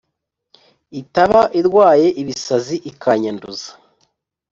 Itaba irwaye ibisazi ikanyanduza